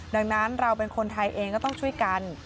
ดังนั้นเราเป็นคนไทยเองก็ต้องช่วยกัน